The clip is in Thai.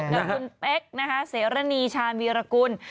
กับคุณเป๊กนะคะเสรณีชาญวีรกุล